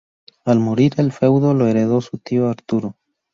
Al morir, el feudo lo heredó su tío Arturo.